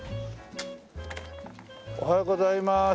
おはようございます。